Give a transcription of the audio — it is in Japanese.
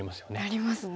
なりますね。